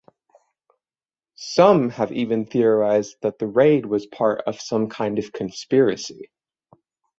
Some have even theorized that the raid was part of some kind of conspiracy.